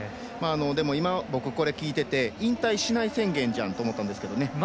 今、僕はこれを聞いていて引退しない宣言じゃんって思ったんですけどね。